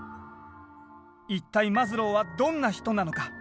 一体マズローはどんな人なのか？